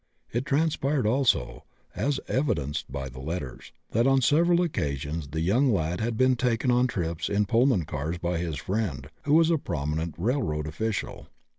It transpired also, as evidenced by the letters, that on several occasions the young lad had been taken on trips in Pullman cars by his friend, who was a prominent railroad official.